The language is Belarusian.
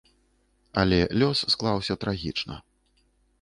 Але лёс склаўся трагічна.